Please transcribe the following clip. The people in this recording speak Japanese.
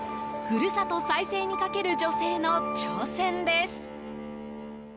故郷再生にかける女性の挑戦です。